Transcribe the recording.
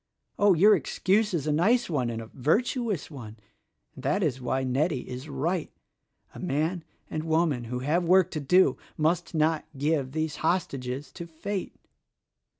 Oh! your excuse is a nice one, and a virtuous one; and that is why Nettie is right. A man and woman who have work to do must not give these hostages to Fate.